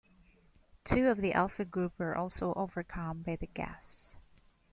Two of the Alpha Group were also overcome by the gas.